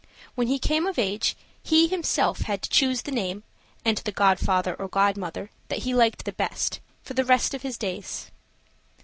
When he came of age, he himself had to choose the name and the godfather or god mother that he liked the best, for the rest of his days.